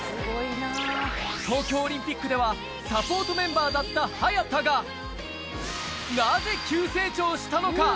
東京オリンピックではサポートメンバーだった早田が、なぜ急成長したのか？